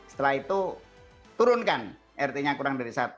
setelah itu turunkan rt nya